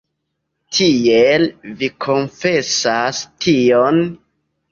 Tiel, vi konfesas tion?